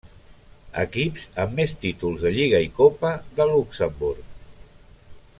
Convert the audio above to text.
Equips amb més títols de lliga i copa de Luxemburg.